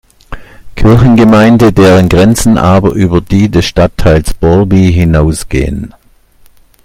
Kirchengemeinde, deren Grenzen aber über die des Stadtteils Borby hinausgehen.